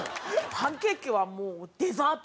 パンケーキはもうデザート。